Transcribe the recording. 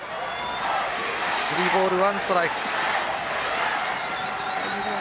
３ボール１ストライク。